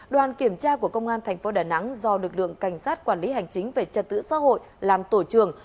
đoàn kiểm tra của công an tp đà nẵng do lực lượng cảnh sát quản lý hành chính về trật tự xã hội làm tổ trường